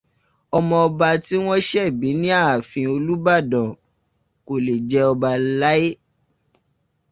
Ọmọ ọba tí wọ́n ṣẹ̀ bí ni ààfin olúbàdàn kò le jẹ ọba láí.